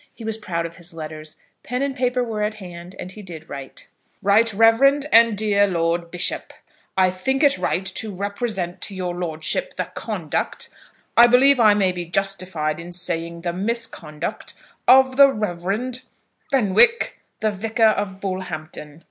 He was proud of his letters. Pen and paper were at hand, and he did write. RIGHT REV. AND DEAR LORD BISHOP, I think it right to represent to your lordship the conduct, I believe I may be justified in saying the misconduct, of the Reverend Fenwick, the vicar of Bullhampton.